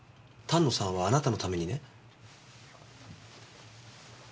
丹野さんはあなたのためにね。